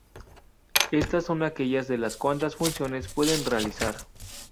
Estas son aquellas de la cuantas funciones pueden realizar.